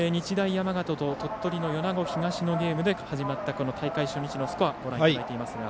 山形と鳥取の米子東のゲームで始まった大会初日のスコアをご覧いただいています。